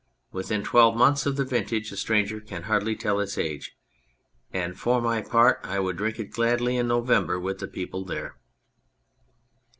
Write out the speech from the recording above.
Within twelve months of the vintage a stranger can hardly tell its age, and for my part I would drink it gladly in November with the people there.